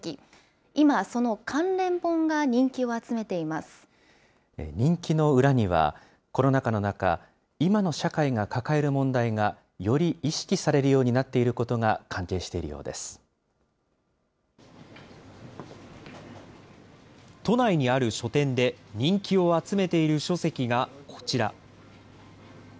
今、その関連本が人気を集めてい人気の裏には、コロナ禍の中、今の社会が抱える問題がより意識されるようになっていることが関都内にある書店で人気を集めている書籍がこちら。